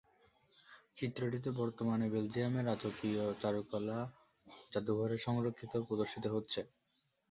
চিত্রটি বর্তমানে বেলজিয়ামের রাজকীয় চারুকলা জাদুঘরে সংরক্ষিত ও প্রদর্শিত হচ্ছে।